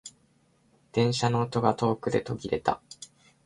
電車の音が遠くで途切れた。